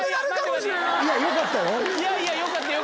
いやよかったよ。